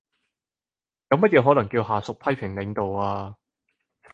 有乜嘢可能叫下屬批評領導呀？